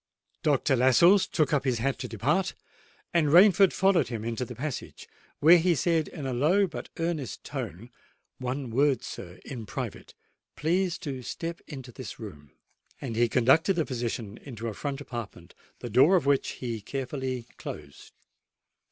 Dr. Lascelles took up his hat to depart, and Rainford followed him into the passage, where he said in a low but earnest tone, "One word, sir, in private! Please to step into this room." And he conducted the physician into a front apartment, the door of which he carefully closed.